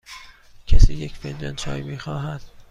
کسی یک فنجان چای می خواهد؟